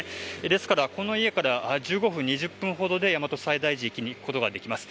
ですから、この家から１５分、２０分ほどで大和西大寺駅へ行くことができます。